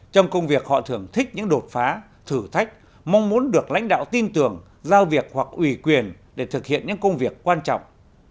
trong công việc họ thường thích những đột phá thử thách mong muốn được lãnh đạo tin tưởng giao việc hoặc ủy quyền để thực hiện những công việc quan trọng